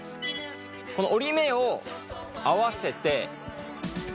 この折り目を合わせて。